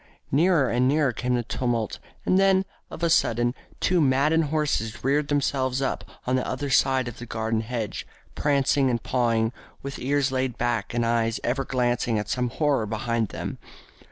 Nearer and nearer came the tumult, and then, of a sudden, two maddened horses reared themselves up on the other side of the garden hedge, prancing and pawing, with ears laid back and eyes ever glancing at some horror behind them.